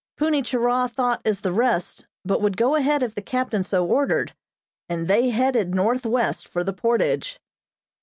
Punni Churah thought as the rest, but would go ahead if the captain so ordered, and they headed northwest for the portage.